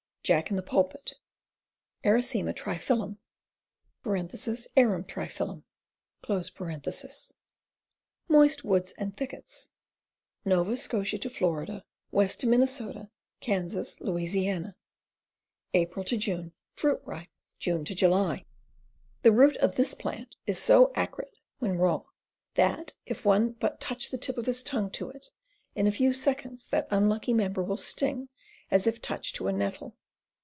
Jack in the Pulpit. Arisoema triphyl lum (Arum triphyllum). Moist woods and thickets. Nova Scotia to Florida, west to Minn., Kan., La. April June. Fruit ripe, June July. The root of this plant is so acrid when raw that, if one but touch the tip of his tongue to it, in a few seconds that un lucky member will sting as if touched to a nettle.